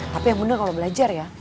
tapi yang benar kalau belajar ya